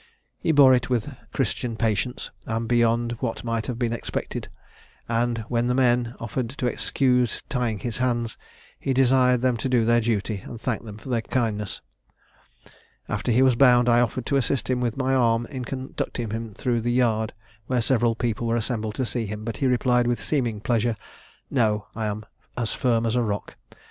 He bore it with Christian patience, and beyond what might have been expected; and, when the men offered to excuse tying his hands, he desired them to do their duty, and thanked them for their kindness. After he was bound, I offered to assist him with my arm in conducting him through the yard, where several people were assembled to see him; but he replied, with seeming pleasure, 'No, I am as firm as a rock.'